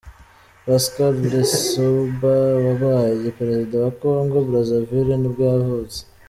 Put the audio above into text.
Pascal Lissouba, wabaye perezida wa Kongo Brazzaville ni bwo yavutse.